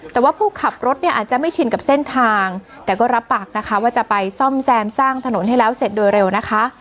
แต่ว่าผู้ขับรถเนี่ยอาจจะไม่ชินกับเส้นทางแต่ก็รับปากนะคะว่าจะไปซ่อมแซมสร้างถนนให้แล้วเสร็จโดยเร็วนะคะ